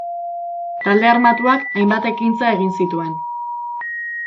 Talde armatuak hainbat ekintza egin zituen.